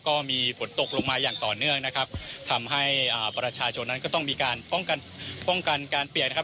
ก็มีฝนตกลงมาอย่างต่อเนื่องนะครับทำให้อ่าประชาชนนั้นก็ต้องมีการป้องกันป้องกันการเปียกนะครับ